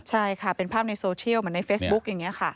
ใช่ค่ะเป็นภาพในโซเชียลเหมือนในเฟซบุ๊กอย่างนี้ค่ะ